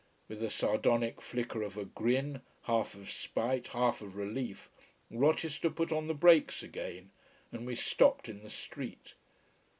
With a sardonic flicker of a grin, half of spite, half of relief, Rochester put on the brakes again, and we stopped in the street.